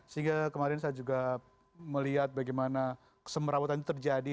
sehingga kemarin saya juga melihat bagaimana kesemerawutan itu terjadi